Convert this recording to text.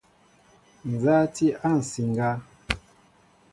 Nza a ti a nsiŋga?